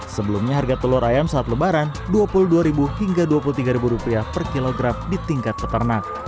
sebelumnya harga telur ayam saat lebaran rp dua puluh dua hingga rp dua puluh tiga per kilogram di tingkat peternak